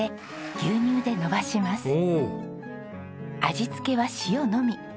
味付けは塩のみ。